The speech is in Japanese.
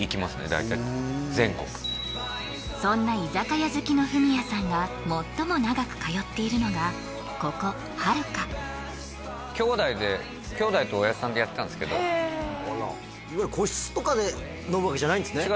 大体全国そんな居酒屋好きのフミヤさんが最も長く通っているのがここ春香兄弟とおやっさんでやってたんすけどいわゆる個室とかで飲むわけじゃないんですね